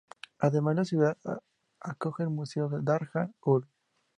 Además, la ciudad acoge al Museo de Darjan-Uul.